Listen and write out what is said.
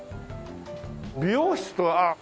美容室とあっ。